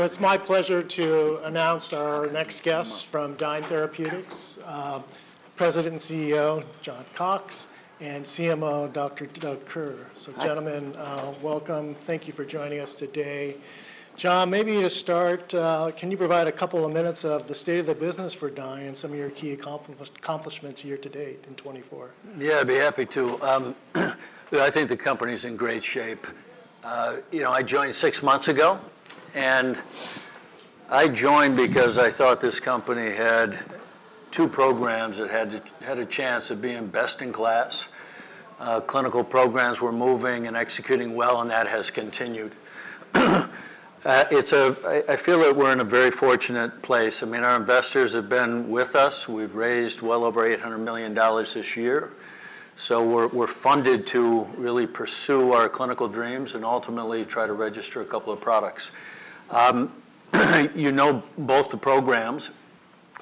So it's my pleasure to announce our next guest from Dyne Therapeutics, President and CEO, John Cox, and CMO, Dr. Doug Kerr. Hi. So, gentlemen, welcome. Thank you for joining us today. John, maybe to start, can you provide a couple of minutes of the state of the business for Dyne and some of your key accomplishments year-to-date in 2024? Yeah, I'd be happy to. I think the company's in great shape. You know, I joined six months ago, and I joined because I thought this company had a chance of being best-in-class. I feel that we're in a very fortunate place. I mean, our investors have been with us. We've raised well over $800 million this year, so we're funded to really pursue our clinical dreams and ultimately try to register a couple of products. You know both the programs,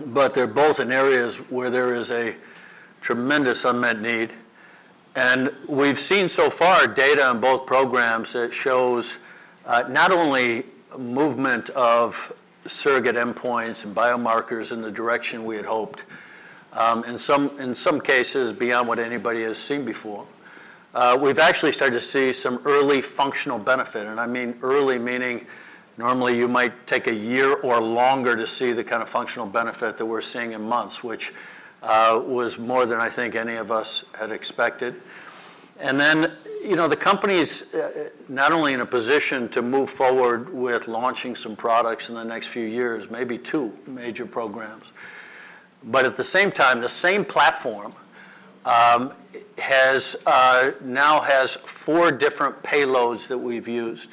but they're both in areas where there is a tremendous unmet need, and we've seen so far data on both programs that shows not only movement of surrogate endpoints and biomarkers in the direction we had hoped, and in some cases, beyond what anybody has seen before. We've actually started to see some early functional benefit, and I mean early meaning normally, you might take a year or longer to see the kind of functional benefit that we're seeing in months, which was more than I think any of us had expected. And then, you know, the company's not only in a position to move forward with launching some products in the next few years, maybe two major programs, but at the same time, the same platform now has four different payloads that we've used,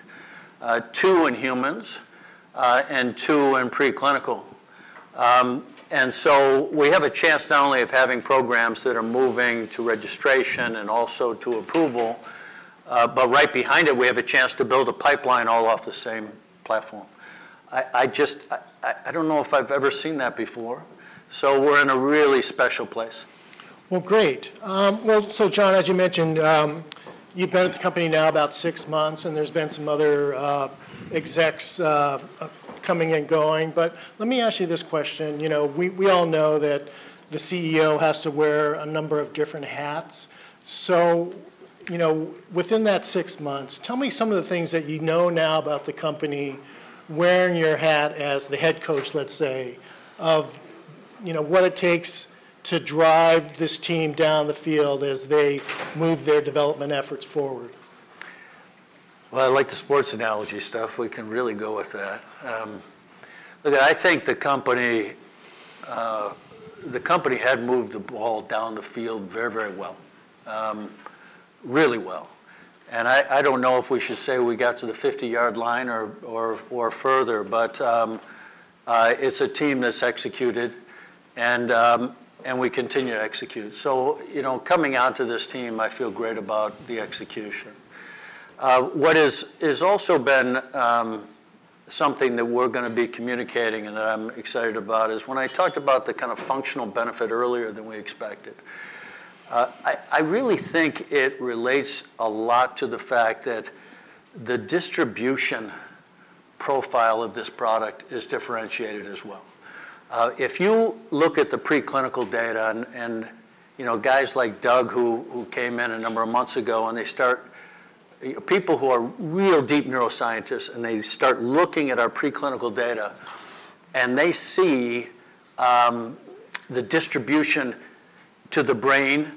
two in humans, and two in preclinical. And so we have a chance not only of having programs that are moving to registration and also to approval, but right behind it, we have a chance to build a pipeline all off the same platform. I just, I don't know if I've ever seen that before, so we're in a really special place. Great. John, as you mentioned, you've been with the company now about six months, and there's been some other execs coming and going, but let me ask you this question. You know, we all know that the CEO has to wear a number of different hats. You know, within that six months, tell me some of the things that you know now about the company, wearing your hat as the head coach, let's say, of, you know, what it takes to drive this team down the field as they move their development efforts forward. I like the sports analogy stuff. We can really go with that. Look, I think the company had moved the ball down the field very, very well, really well, and I don't know if we should say we got to the 50-yd line or further, but it's a team that's executed and we continue to execute. So, you know, coming onto this team, I feel great about the execution. What has also been something that we're gonna be communicating, and that I'm excited about, is when I talked about the kind of functional benefit earlier than we expected, I really think it relates a lot to the fact that the distribution profile of this product is differentiated as well. If you look at the preclinical data, and you know, guys like Doug, who came in a number of months ago, people who are real deep neuroscientists, and they start looking at our preclinical data, and they see the distribution to the brain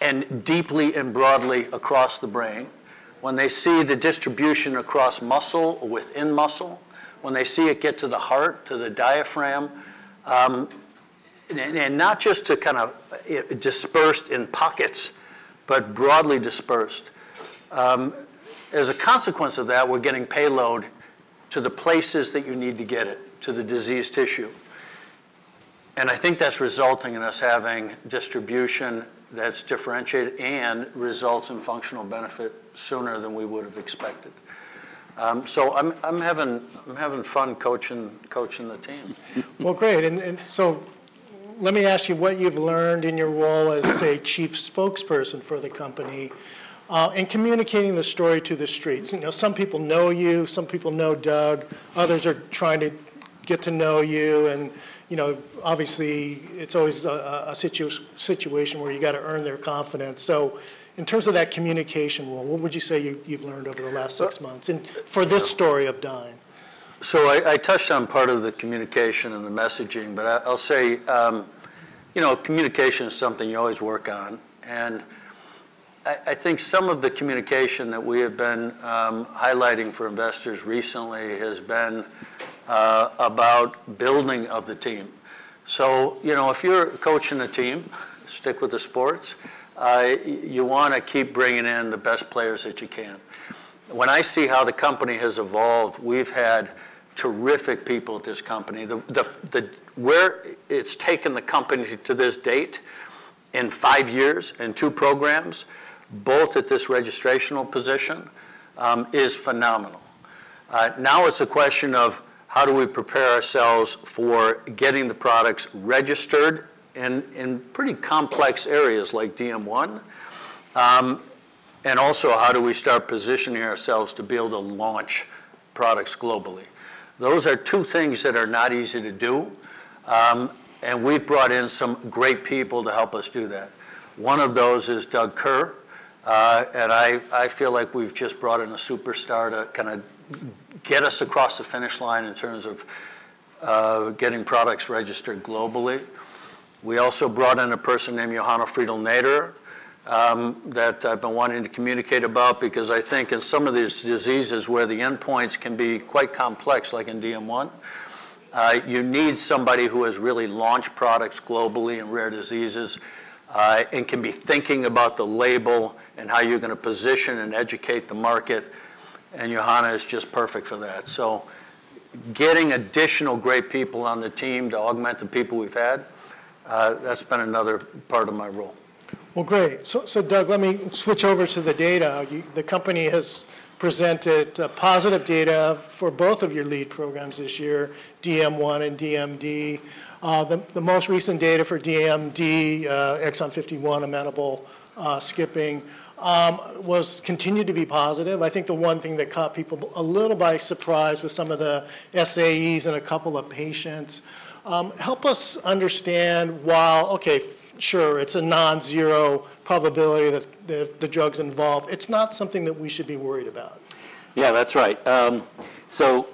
and deeply and broadly across the brain, when they see the distribution across muscle, within muscle, when they see it get to the heart, to the diaphragm, and not just to kind of dispersed in pockets, but broadly dispersed. As a consequence of that, we're getting payload to the places that you need to get it, to the diseased tissue, and I think that's resulting in us having distribution that's differentiated and results in functional benefit sooner than we would've expected. So I'm having fun coaching the team. Well, great. And so let me ask you what you've learned in your role as, say, chief spokesperson for the company in communicating the story to the streets. You know, some people know you, some people know Doug, others are trying to get to know you. And, you know, obviously, it's always a situation where you gotta earn their confidence. So in terms of that communication role, what would you say you've learned over the last six months? Uh And for this story of Dyne? So I, I touched on part of the communication and the messaging, but I, I'll say, you know, communication is something you always work on, and I, I think some of the communication that we have been highlighting for investors recently has been about building of the team. So, you know, if you're coaching a team, stick with the sports, you wanna keep bringing in the best players that you can. When I see how the company has evolved, we've had terrific people at this company. Where it's taken the company to this date, in five years and two programs, both at this registrational position, is phenomenal. Now it's a question of, how do we prepare ourselves for getting the products registered in, in pretty complex areas like DM1? And also, how do we start positioning ourselves to be able to launch products globally? Those are two things that are not easy to do, and we've brought in some great people to help us do that. One of those is Doug Kerr, and I feel like we've just brought in a superstar to kind of get us across the finish line in terms of getting products registered globally. We also brought in a person named Johanna Friedl-Nader that I've been wanting to communicate about because I think in some of these diseases where the endpoints can be quite complex, like in DM1, you need somebody who has really launched products globally in rare diseases, and can be thinking about the label and how you're going to position and educate the market, and Johanna is just perfect for that. So getting additional great people on the team to augment the people we've had, that's been another part of my role. Great. So, Doug, let me switch over to the data. You, the company has presented positive data for both of your lead programs this year, DM1 and DMD. The most recent data for DMD, exon 51 amenable, skipping, was continued to be positive. I think the one thing that caught people a little by surprise was some of the SAEs in a couple of patients. Help us understand while, okay, sure, it's a non-zero probability that the drug's involved, it's not something that we should be worried about. Yeah, that's right. So,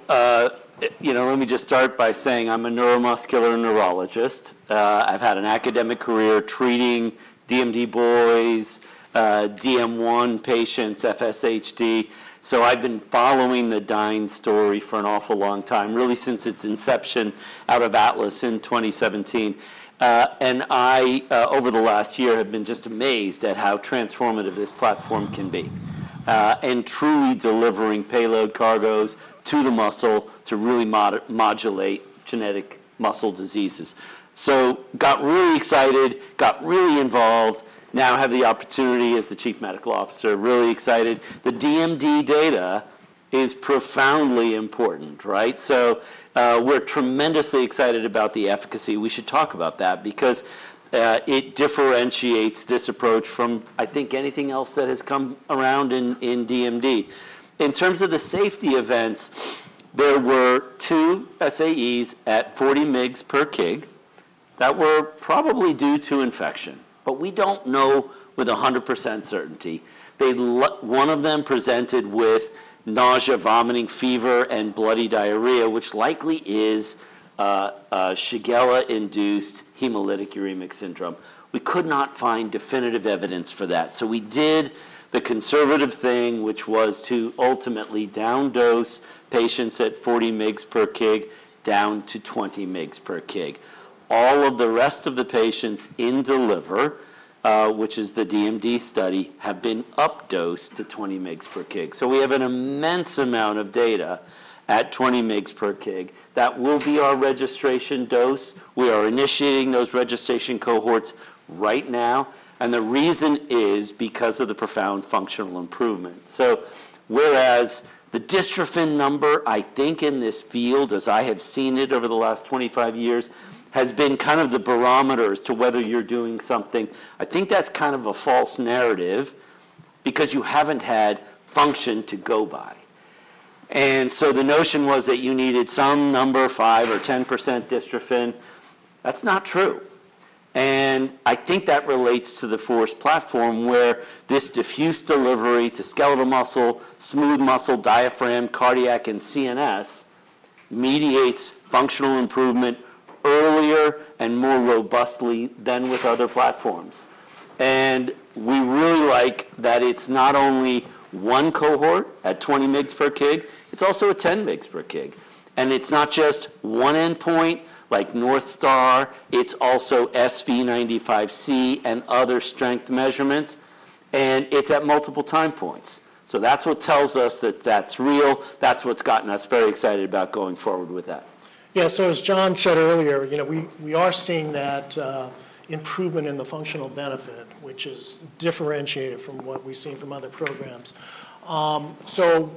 you know, let me just start by saying I'm a neuromuscular neurologist. I've had an academic career treating DMD boys, DM1 patients, FSHD, so I've been following the Dyne story for an awful long time, really since its inception out of Atlas in 2017. And I, over the last year have been just amazed at how transformative this platform can be, in truly delivering payload cargos to the muscle to really modulate genetic muscle diseases. So got really excited, got really involved, now have the opportunity as the chief medical officer, really excited. The DMD data is profoundly important, right? So, we're tremendously excited about the efficacy. We should talk about that because, it differentiates this approach from, I think, anything else that has come around in, in DMD. In terms of the safety events, there were two SAEs at 40 mg per kg that were probably due to infection, but we don't know with 100% certainty. One of them presented with nausea, vomiting, fever, and bloody diarrhea, which likely is a Shigella-induced hemolytic uremic syndrome. We could not find definitive evidence for that. So we did the conservative thing, which was to ultimately down dose patients at 40 mg per kg down to 20 mg per kg. All of the rest of the patients in DELIVER, which is the DMD study, have been up dosed to 20 mg per kg. So we have an immense amount of data at 20 mg per kg. That will be our registration dose. We are initiating those registration cohorts right now, and the reason is because of the profound functional improvement. So whereas the dystrophin number, I think in this field, as I have seen it over the last 25 years, has been kind of the barometer as to whether you're doing something, I think that's kind of a false narrative because you haven't had function to go by. And so the notion was that you needed some number, 5% or 10% dystrophin. That's not true, and I think that relates to the FORCE platform, where this diffuse delivery to skeletal muscle, smooth muscle, diaphragm, cardiac, and CNS mediates functional improvement earlier and more robustly than with other platforms. And we really like that it's not only one cohort at 20 mg per kg, it's also at 10 mg per kg. And it's not just one endpoint, like North Star, it's also SV95C and other strength measurements, and it's at multiple time points. So that's what tells us that that's real. That's what's gotten us very excited about going forward with that. Yeah, so as John said earlier, you know, we are seeing that improvement in the functional benefit, which is differentiated from what we've seen from other programs, so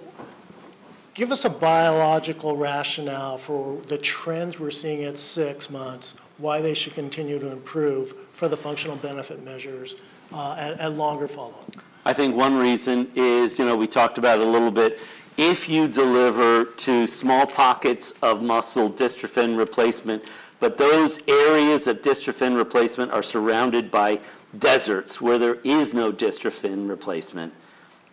give us a biological rationale for the trends we're seeing at six months, why they should continue to improve for the functional benefit measures at longer follow-up? I think one reason is, you know, we talked about it a little bit, if you deliver to small pockets of muscle dystrophin replacement, but those areas of dystrophin replacement are surrounded by deserts where there is no dystrophin replacement,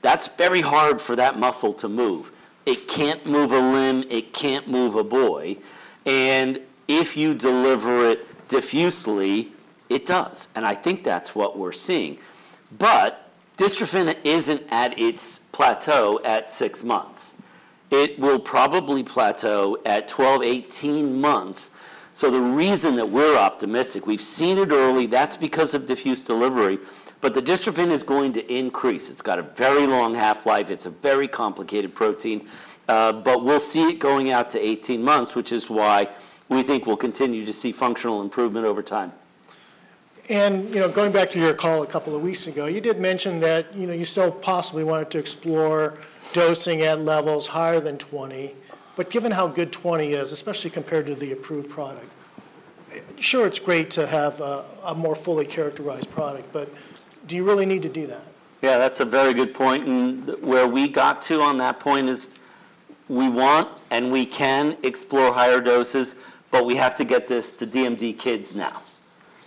that's very hard for that muscle to move. It can't move a limb, it can't move a boy, and if you deliver it diffusely, it does, and I think that's what we're seeing, but dystrophin isn't at its plateau at six months. It will probably plateau at twelve, eighteen months, so the reason that we're optimistic, we've seen it early, that's because of diffuse delivery, but the dystrophin is going to increase. It's got a very long half-life. It's a very complicated protein, but we'll see it going out to eighteen months, which is why we think we'll continue to see functional improvement over time. You know, going back to your call a couple of weeks ago, you did mention that, you know, you still possibly wanted to explore dosing at levels higher than 20, but given how good 20 is, especially compared to the approved product. Sure, it's great to have a more fully characterized product, but do you really need to do that? Yeah, that's a very good point, and where we got to on that point is we want and we can explore higher doses, but we have to get this to DMD kids now,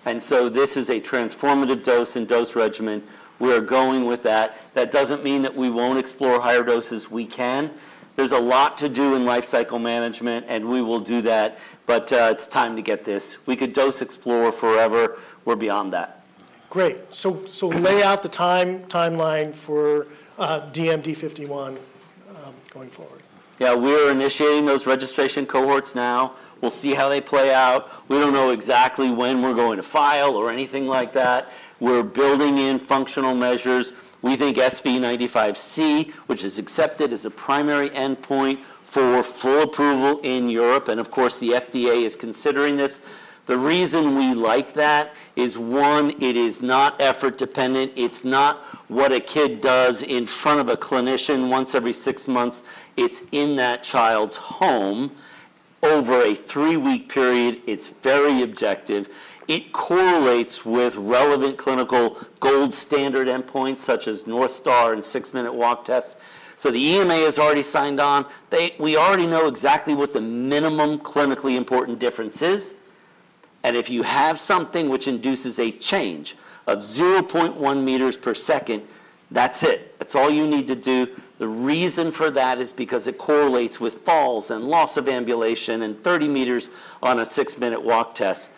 and so this is a transformative dose and dose regimen. We are going with that. That doesn't mean that we won't explore higher doses. We can. There's a lot to do in life cycle management, and we will do that, but it's time to get this. We could dose explore forever. We're beyond that. Great, so lay out the timeline for DMD 51 going forward. Yeah, we're initiating those registration cohorts now. We'll see how they play out. We don't know exactly when we're going to file or anything like that. We're building in functional measures. We think SV95C, which is accepted as a primary endpoint for full approval in Europe, and of course, the FDA is considering this. The reason we like that is, one, it is not effort dependent. It's not what a kid does in front of a clinician once every six months. It's in that child's home over a three-week period. It's very objective. It correlates with relevant clinical gold standard endpoints, such as North Star and six-minute walk test, so the EMA has already signed on. We already know exactly what the minimum clinically important difference is, and if you have something which induces a change of 0.1 m per second, that's it. That's all you need to do. The reason for that is because it correlates with falls and loss of ambulation and 30 m on a six-minute walk test.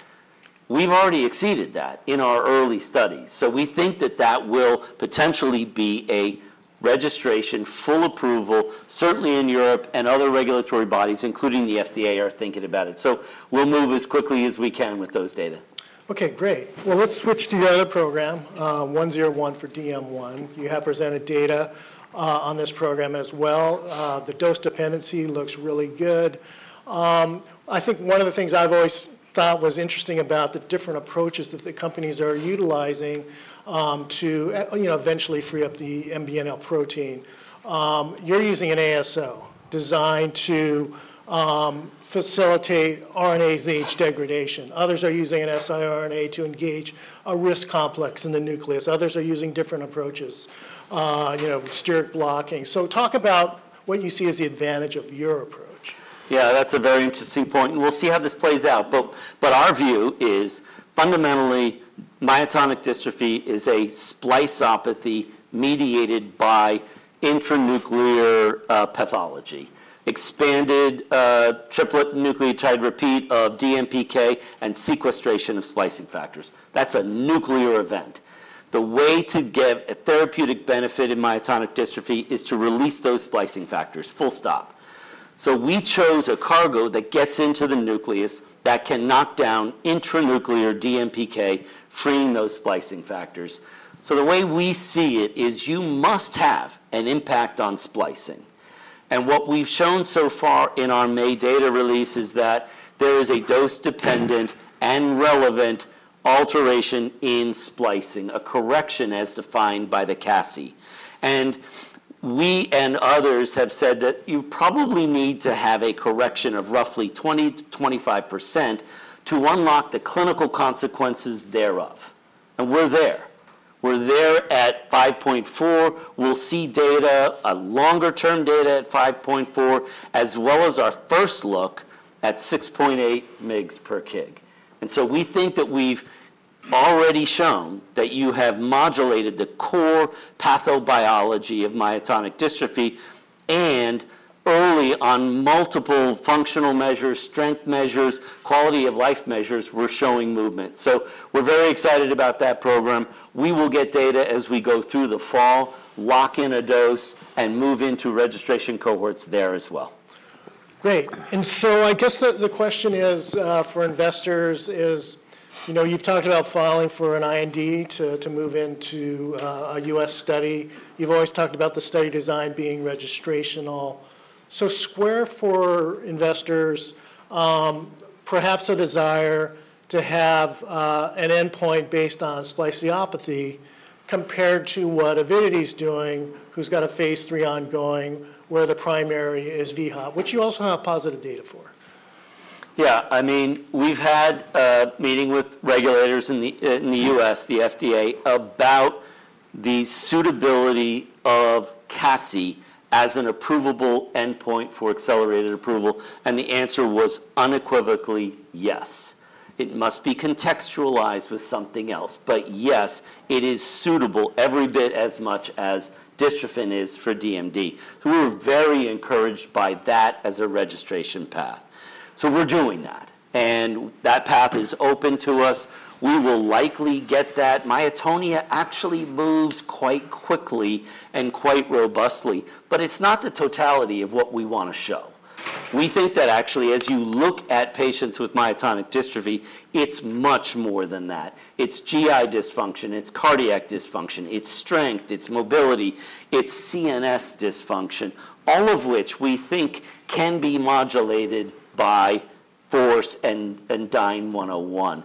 We've already exceeded that in our early studies. So we think that that will potentially be a registration, full approval, certainly in Europe and other regulatory bodies, including the FDA, are thinking about it. So we'll move as quickly as we can with those data. Okay, great. Well, let's switch to the other program, 101 for DM1. You have presented data on this program as well. The dose dependency looks really good. I think one of the things I've always thought was interesting about the different approaches that the companies are utilizing to you know eventually free up the MBNL protein. You're using an ASO designed to facilitate RNase H degradation. Others are using an siRNA to engage a RISC complex in the nucleus. Others are using different approaches you know steric blocking. So talk about what you see as the advantage of your approach. Yeah, that's a very interesting point, and we'll see how this plays out. But our view is, fundamentally, myotonic dystrophy is a spliceopathy mediated by intranuclear pathology, expanded triplet nucleotide repeat of DMPK and sequestration of splicing factors. That's a nuclear event. The way to get a therapeutic benefit in myotonic dystrophy is to release those splicing factors, full stop. So we chose a cargo that gets into the nucleus that can knock down intranuclear DMPK, freeing those splicing factors. So the way we see it is you must have an impact on splicing. And what we've shown so far in our May data release is that there is a dose-dependent and relevant alteration in splicing, a correction as defined by the CASI. And we and others have said that you probably need to have a correction of roughly 20%-25% to unlock the clinical consequences thereof, and we're there. We're there at 5.4. We'll see data, a longer-term data at 5.4, as well as our first look at 6.8 mgs per kg. And so we think that we've already shown that you have modulated the core pathobiology of myotonic dystrophy, and early on, multiple functional measures, strength measures, quality of life measures, we're showing movement. So we're very excited about that program. We will get data as we go through the fall, lock in a dose, and move into registration cohorts there as well. Great. So I guess the question is for investors. You know, you've talked about filing for an IND to move into a US study. You've always talked about the study design being registrational. So square for investors, perhaps a desire to have an endpoint based on spliceopathy compared to what Avidity's doing, who's got a phase 3 ongoing, where the primary is vHOT, which you also have positive data for. Yeah, I mean, we've had a meeting with regulators in the U.S., the FDA, about the suitability of CASI as an approvable endpoint for accelerated approval, and the answer was unequivocally yes. It must be contextualized with something else, but yes, it is suitable every bit as much as dystrophin is for DMD. So we're very encouraged by that as a registration path. So we're doing that, and that path is open to us. We will likely get that. Myotonia actually moves quite quickly and quite robustly, but it's not the totality of what we want to show. We think that actually, as you look at patients with myotonic dystrophy, it's much more than that. It's GI dysfunction, it's cardiac dysfunction, it's strength, it's mobility, it's CNS dysfunction, all of which we think can be modulated by FORCE and DYNE-101.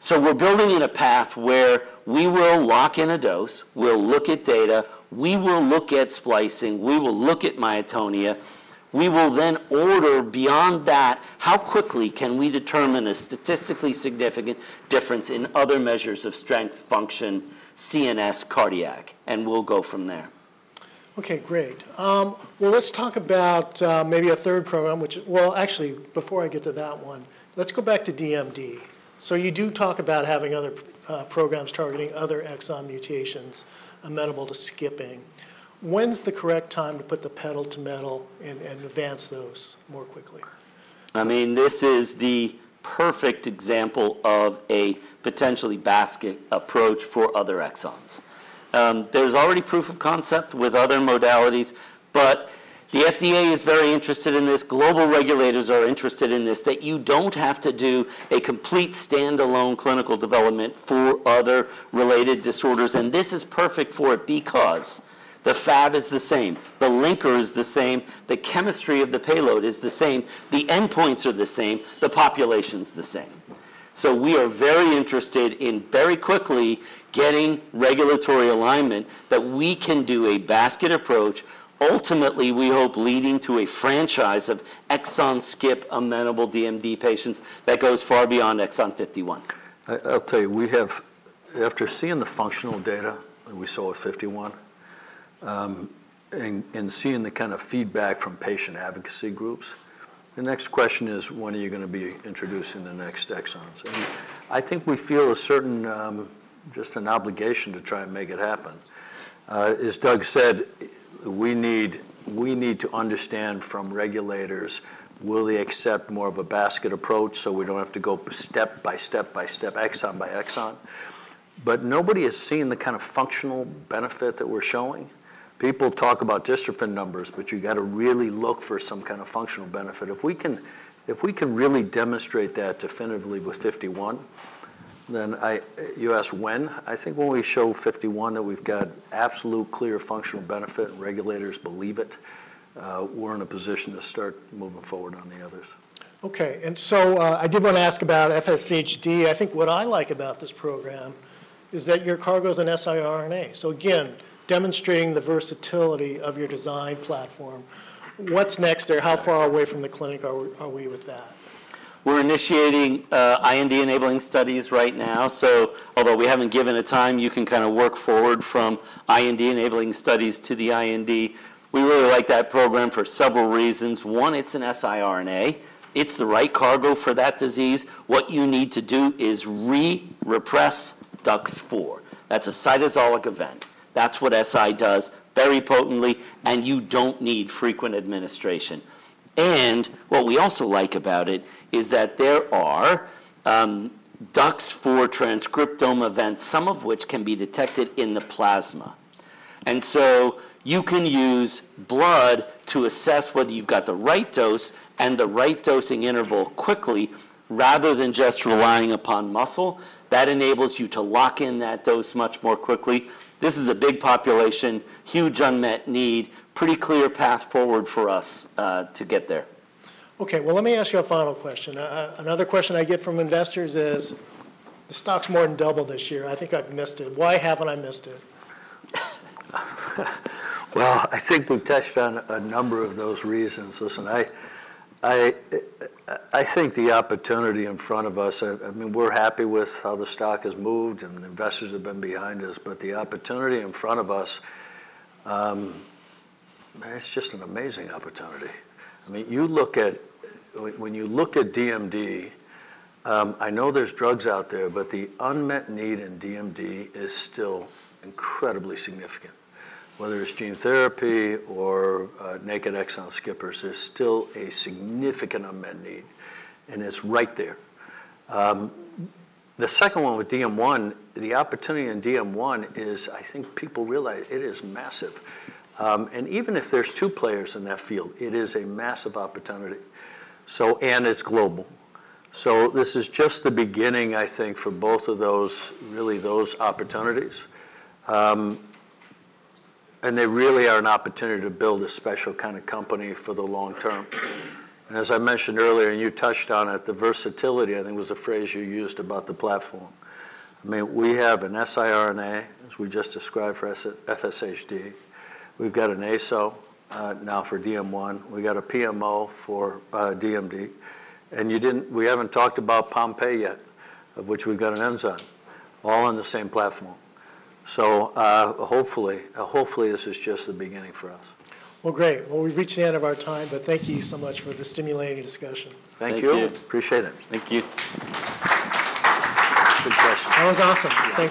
So we're building in a path where we will lock in a dose, we'll look at data, we will look at splicing, we will look at myotonia... We will then order beyond that, how quickly can we determine a statistically significant difference in other measures of strength, function, CNS, cardiac? And we'll go from there. Okay, great, well, let's talk about maybe a third program, actually, before I get to that one, let's go back to DMD, so you do talk about having other programs targeting other exon mutations amenable to skipping. When's the correct time to put the pedal to metal and advance those more quickly? I mean, this is the perfect example of a potentially basket approach for other exons. There's already proof of concept with other modalities, but the FDA is very interested in this, global regulators are interested in this, that you don't have to do a complete standalone clinical development for other related disorders, and this is perfect for it because the fab is the same, the linker is the same, the chemistry of the payload is the same, the endpoints are the same, the population's the same. We are very interested in very quickly getting regulatory alignment, that we can do a basket approach, ultimately, we hope, leading to a franchise of exon skip amenable DMD patients that goes far beyond exon 51. I'll tell you, we have... After seeing the functional data that we saw at 51, and seeing the kind of feedback from patient advocacy groups, the next question is, when are you gonna be introducing the next exons? And I think we feel a certain, just an obligation to try and make it happen. As Doug said, we need to understand from regulators, will they accept more of a basket approach so we don't have to go step by step by step, exon by exon? But nobody has seen the kind of functional benefit that we're showing. People talk about dystrophin numbers, but you gotta really look for some kind of functional benefit. If we can really demonstrate that definitively with 51, then you ask when. I think when we show 51 that we've got absolute clear functional benefit and regulators believe it, we're in a position to start moving forward on the others. Okay, and so, I did want to ask about FSHD. I think what I like about this program is that your cargo's an siRNA. So again, demonstrating the versatility of your design platform. What's next there? How far away from the clinic are we with that? We're initiating IND enabling studies right now. So although we haven't given a time, you can kind of work forward from IND enabling studies to the IND. We really like that program for several reasons. One, it's an siRNA. It's the right cargo for that disease. What you need to do is repress DUX4. That's a cytosolic event. That's what siRNA does, very potently, and you don't need frequent administration. And what we also like about it is that there are DUX4 transcriptome events, some of which can be detected in the plasma. And so you can use blood to assess whether you've got the right dose and the right dosing interval quickly, rather than just relying upon muscle. That enables you to lock in that dose much more quickly. This is a big population, huge unmet need, pretty clear path forward for us to get there. Okay, well, let me ask you a final question. Another question I get from investors is, the stock's more than doubled this year, I think I've missed it. Why haven't I missed it? I think we've touched on a number of those reasons. Listen, I think the opportunity in front of us. I mean, we're happy with how the stock has moved, and investors have been behind us, but the opportunity in front of us, it's just an amazing opportunity. I mean, you look at when you look at DMD. I know there's drugs out there, but the unmet need in DMD is still incredibly significant. Whether it's gene therapy or naked exon skippers, there's still a significant unmet need, and it's right there. The second one with DM1, the opportunity in DM1 is. I think people realize it is massive. And even if there's two players in that field, it is a massive opportunity, so, and it's global. So this is just the beginning, I think, for both of those, really, those opportunities. And they really are an opportunity to build a special kind of company for the long term. And as I mentioned earlier, and you touched on it, the versatility, I think, was the phrase you used about the platform. I mean, we have an siRNA, as we just described, for FSHD. We've got an ASO, now for DM1. We've got a PMO for, DMD. And we haven't talked about Pompe yet, of which we've got an enzyme, all on the same platform. So, hopefully, hopefully this is just the beginning for us. Great. We've reached the end of our time, but thank you so much for the stimulating discussion. Thank you. Thank you. Appreciate it. Thank you. Good question. That was awesome. Thank you.